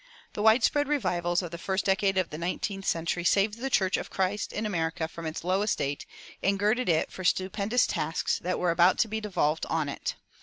The widespread revivals of the first decade of the nineteenth century saved the church of Christ in America from its low estate and girded it for stupendous tasks that were about to be devolved on it.